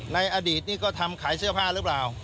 ในอดีตนี่ก็ทำขายเสื้อผ้าหรือเปล่า